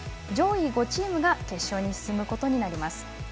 上位５チームが決勝に進むことになります。